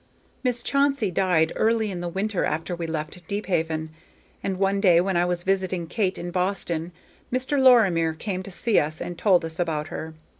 Miss Chauncey died early in the winter after we left Deephaven, and one day when I was visiting Kate in Boston Mr. Lorimer came to see us, and told us about her.